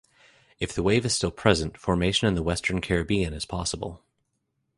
If the wave is still present, formation in the Western Caribbean is possible.